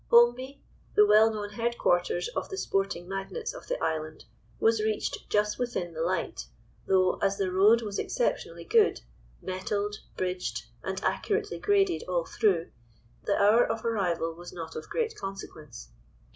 Holmby, the well known headquarters of the sporting magnates of the island, was reached just "within the light," though, as the road was exceptionally good—metalled, bridged, and accurately graded all through—the hour of arrival was not of great consequence.